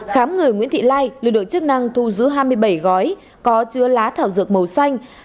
khám người nguyễn thị lai lực lượng chức năng thu giữ hai mươi bảy gói có chứa lá thảo dược màu xanh